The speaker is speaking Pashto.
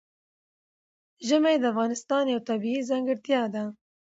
ژمی د افغانستان یوه طبیعي ځانګړتیا ده.